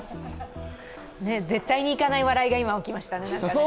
絶対に行かない笑いが今起きましたね。